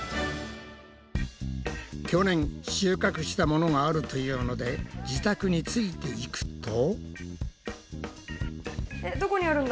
去年収穫したものがあるというので自宅についていくと。